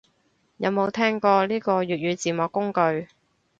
有冇聽過呢個粵語字幕工具